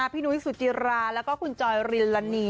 พี่นุ้ยสุจิราแล้วก็คุณจอยรินละนี